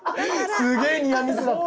すげえニアミスだった。